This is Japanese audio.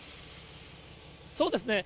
そうですね。